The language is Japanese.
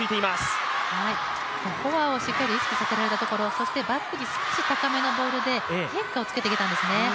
フォアをしっかり意識させたところ、そしてバックに少し高めのボールで変化をつけてきたんですね。